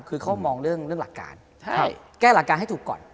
คือเขามองเรื่องหลักการแก้หลักการให้ถูกก่อน